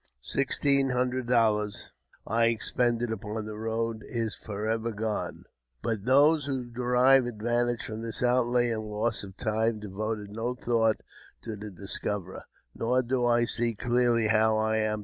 Sixteen hundred dollars I expended upon the road is for ever gone, but those who derive advantage from this outlay and loss of time devote no thought to the discoverer ; nor do I see clearly how I am to JAMES P.